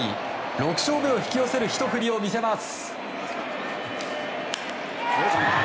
６勝目を引き寄せるひと振りを見せます。